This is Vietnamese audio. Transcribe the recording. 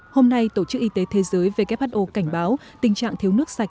hôm nay tổ chức y tế thế giới who cảnh báo tình trạng thiếu nước sạch